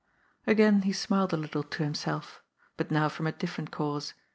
Again he smiled a little to himself but now from a different cause.